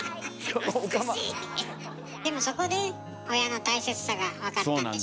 でもそこで親の大切さが分かったんでしょ？